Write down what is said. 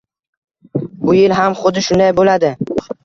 Bu yil ham xuddi shunday bo'ladi